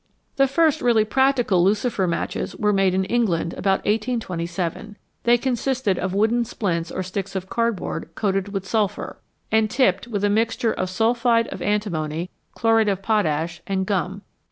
The first really practical lucifer matches were made in England about 1827. They consisted of wooden splints or sticks of cardboard coated with sulphur, and 121 HOW FIRE IS MADE tipped with a mixture of sulphide of antimony, chlorate of potash, and gum.